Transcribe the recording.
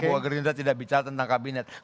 bahwa gerindra tidak bicara tentang kabinet